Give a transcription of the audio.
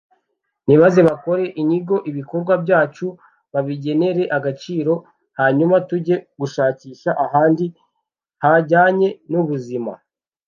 nibaze bakore inyigo ibikorwa byacu babigenere agaciro hanyuma tujye gushakisha ahandi hajyanye n’ubuzima